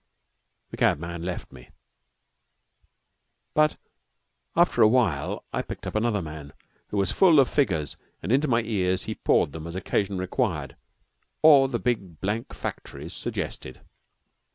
The cabman left me; but after awhile I picked up another man, who was full of figures, and into my ears he poured them as occasion required or the big blank factories suggested.